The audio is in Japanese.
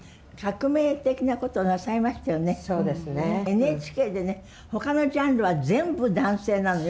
ＮＨＫでねほかのジャンルは全部男性なのよ。